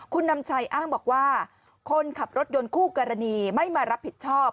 คุณนำชัยอ้างบอกว่าคนขับรถยนต์คู่กรณีไม่มารับผิดชอบ